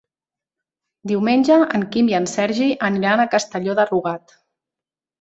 Diumenge en Quim i en Sergi aniran a Castelló de Rugat.